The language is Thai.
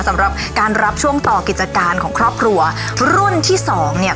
สำหรับการรับช่วงต่อกิจการของครอบครัวรุ่นที่สองเนี่ย